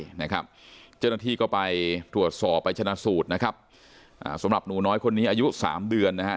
เจ้าหน้าที่ก็ไปตรวจสอบไปชนะสูตรสำหรับหนูน้อยคนนี้อายุ๓เดือน